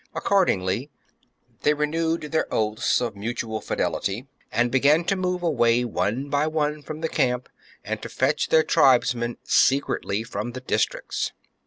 Accordingly they renewed their oaths of mutual fidelity, and began to move away one by one from the camp and to fetch their tribesmen secretly from the districts.